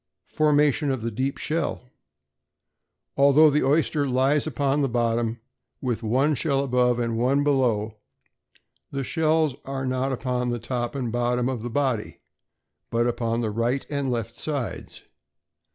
=Formation of the Deep Shell.= Although the oyster lies upon the bottom with one shell above and one below, the shells are not upon the top and bottom of the body, but upon the right and left sides.